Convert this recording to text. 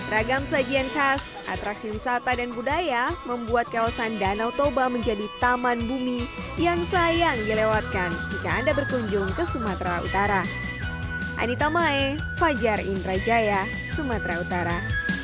ragam sajian khas atraksi wisata dan budaya membuat kawasan danau toba menjadi taman bumi yang sayang dilewatkan jika anda berkunjung ke sumatera utara